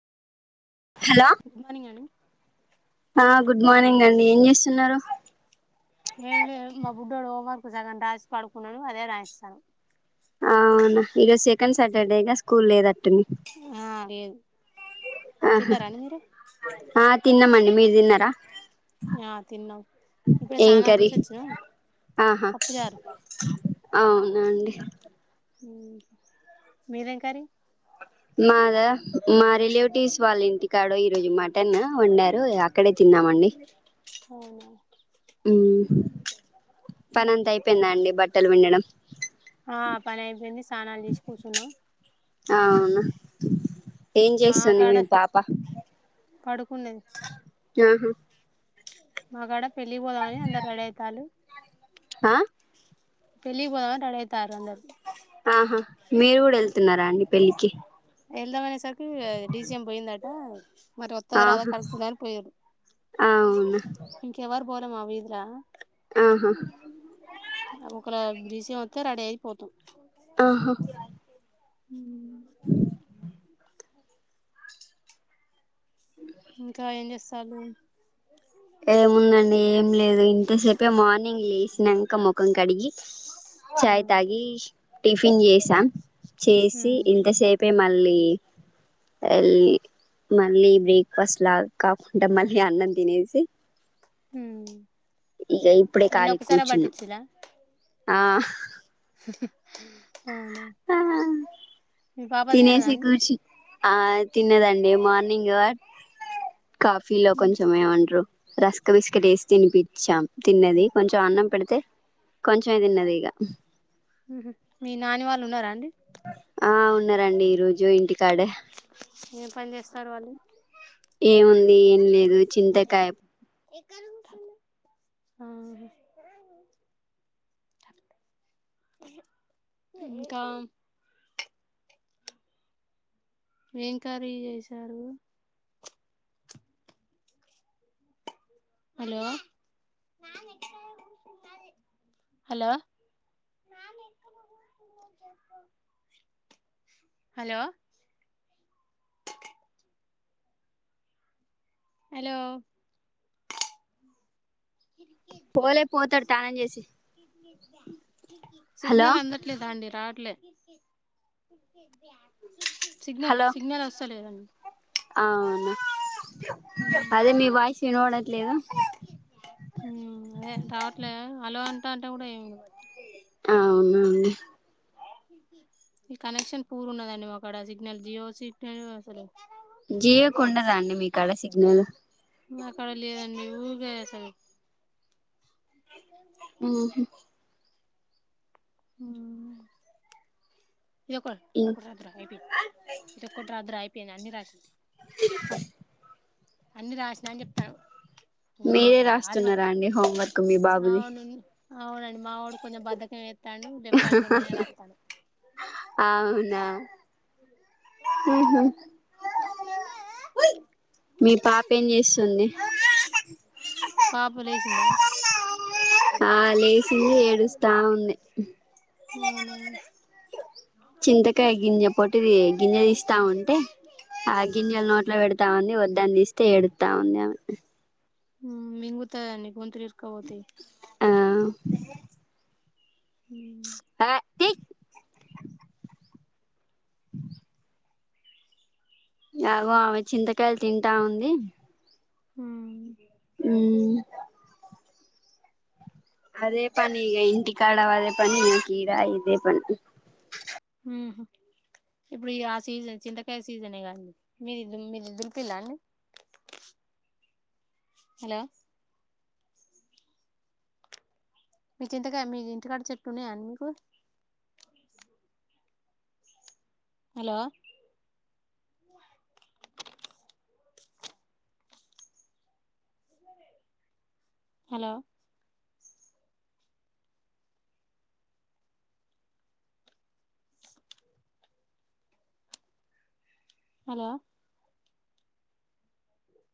Hello good morning అండి. ఆ good morning అండి ఏం చేస్తున్నారు. ఏం లేదు మా బుడ్డోడు హోంవర్క్ సగమ్ రాసి పడుకున్నాడు. అదే రాయిస్తాన్న. అవునా! ఈరోజు సెకండ్ సాటర్డేగా స్కూల్ లేనట్టుంది. ఆ లేదు. ఆహా! తిన్నారా అండి మీరు ఆ తిన్నామండి. మీరు తిన్నారా? ఆ తిన్నాము. ఇప్పుడే ఏం స్నానాలు కర్రీ చేసొచ్చినాము. ఆహా! అవునండి. మీదేమ్ కర్రీ? మాదా? మా రిలేటివ్స్ వాళ్ళ ఇంటి కాడ, ఈ రోజు మటన్ వండారు అక్కడే తిని తిన్నామండి. మ్! హ్మ్ హు! పనంత అయిపోయిందా అండి? బట్టలు పిండడం. ఆ పని అయిపోయింది స్నానాలు చేసి కూర్చున్నాం అవునా? ఏం చేస్తాంది మాకాడ మీ పాప? పడుకున్నది. ఆహా! మాగాడ పెళ్ళికి పోదామని అందరూ రెడీ అయితాండు. ఆ! పెళ్ళికి పోదామని అందరూ రెడీ అయితాండ్రు. ఆహా! మీరు కూడా వెళ్తున్నారా అండి పెళ్ళికి. వెళ్దాం అనేసరికి డీజీఎం పోయిందట. మరి వత్తద, రాదా ఆహా కనుక్కుందామని పోయారు. అవునా? పోదమా వీధిలో ఆహా! ఒకయాల డీసీఎం వస్తే రెడీ అయిపోతాం. ఆహా! ఇంకా ఏం చేస్తాల్లు. ఏముందండి ఏం లేదు ఇంతసేపే మార్నింగ్ లేసినాక ముఖం కడిగి. ఆ చాయ్ తాగి టిఫిన్ చేసాం చేసి ఉమ్ ఇంతసేపే మ మళ్ళీ మళ్ళీ బ్రేక్ఫాస్ట్ లాగా కాకుండా మళ్ళీ అన్నం తినేసి హ ఇక ఇప్పుడే కాాలి కూచునా ఆ అవునా మీ పాప తిన్నదా తినేసి అండి కూర్చి ఆ తిన్నదండి మార్నింగ్ కాఫీలో కొంచం ఏమండరు రస్క బిస్కెట్ వేసి తినిపించాం తిన్నది కొంచెం అన్నం పెడితే కొంచం తిన్నది ఇగ మీ నాని వాళ్ళు ఉన్నారా అండి ఆ ఉన్నారండి ఈ రోజు ఇంటికాడే ఏం పని చేస్తారు వాళ్ళు ఏముంది ఏం లేదు చింతకాయ ఆహా అంది ఇంకా ఎం కర్రీ చేసారు హలో హలో అ చె హలో హలో పోలే పోతాడు తానం చేసి హలో సిగ్నల్ అందట్లేదా అండి రావట్లే సిగ్నల్ సిగ్నల్ వస్తలేదండి ఆ అవును ఉమ్ అదే మీ వాయిస్ వినపడట్లేదు మ్మ్ అదే తాట్లే హలో అంటటే కూడా ఎం వి అవునండి ఈ కనెక్షన్ పూర్ ఉన్నదండి మా కాడ సిగ్నల్ జియో సిగ్నల్ అసలు జియోకుండదండి మీకాడ సిగ్నల్ మా కాడ లేదండి ఊకే అసలు ఆ మ్మ్ ఇదో ఇదొక్కటి రాదు రా అయిపోయిందని ఇదొక్కటి రాదు రా అయిపోయింది అని రాసినవ్ అన్ని రాషి మీరే అది రాస్తున్నారా అండి హోంవర్క్ మీ బాబుది అవును అవునండి మా వాడు కొంచెం బద్ధకం చేస్తాడు లెఫ్ట్ హ్యాండ్ తో నేనే రాతన్న అవునా ఊ మ్మ్ తక మీ పాప ఏం చేస్తుంది పాప లేసిందా ఆ లేసింది ఏడుస్తా ఉంది అవును చింతకాయ గింజ పొట్టు ది గిన్నె తీస్తా ఉంటే ఆ గింజ నోట్లో పెట్టు ావని ఒద్దని తీస్తే ఏడుతావుంది అమ్మే మింగుతాదండి గొంతులో ఇరుక్కపోతాయి ఆ హ హే తీయి గో ఆమె చింతకాయలు తింటా ఉంది మ్మ్ మ్మ్ అదే పని ఇగా ఇంటి కాడ అదే పని కీడ ఇదే పని ఉహు ఇప్పుడు ఇగ ఆ సీజన్ చింతకాయ సీజనే కా ఇది మీది మీరు దులిపిల్లా అండి అ హలో మీ చింతకాయ మీది ఇంటికాడ చెట్టున్నాయాని మీకు హలో హలో హలో